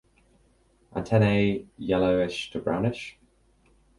Antennae yellowish to brownish.